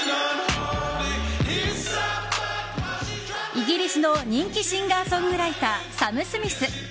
イギリスの人気シンガーソングライターサム・スミス。